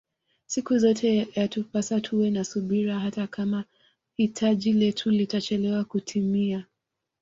Siku zote yatupasa tuwe na subira hata Kama hitaji letu litachelewa kutimia